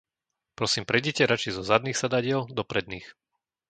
Prosím prejdite radšej zo zadných sedadiel do predných.